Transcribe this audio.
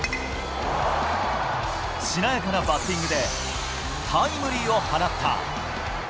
しなやかなバッティングで、タイムリーを放った。